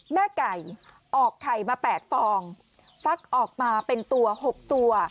แม่ไก่ออกไข่มา๘ฟองฟักออกมาเป็นตัว๖ตัว